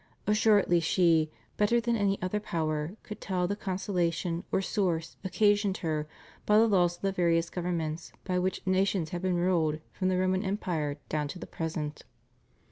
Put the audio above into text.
Assuredly she, better than any other power, could tell the consolation or sorrow oc casioned her by the laws of the various governments by which nations have been ruled from the Roman Empire down to the present.